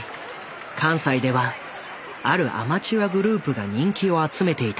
関西ではあるアマチュアグループが人気を集めていた。